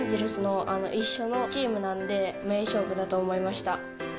エンゼルスの一緒のチームなんで、名勝負だと思いました。